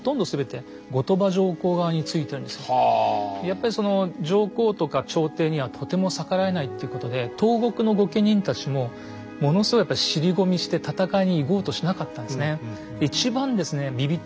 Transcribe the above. やっぱり上皇とか朝廷にはとても逆らえないっていうことで東国の御家人たちもものすごいやっぱ尻込みして戦いに行こうとしなかったんですね。